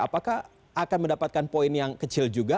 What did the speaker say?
apakah akan mendapatkan poin yang kecil juga